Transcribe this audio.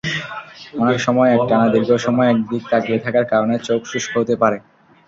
অনেক সময় একটানা দীর্ঘ সময় একদিকে তাকিয়ে থাকার কারণে চোখ শুষ্ক হতে পারে।